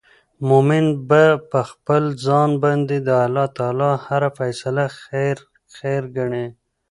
مؤمن به په خپل ځان باندي د الله تعالی هره فيصله خير خير ګڼې